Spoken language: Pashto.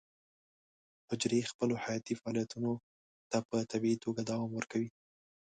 حجرې خپلو حیاتي فعالیتونو ته په طبیعي توګه دوام ورکوي.